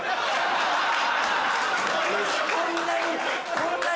こんなに。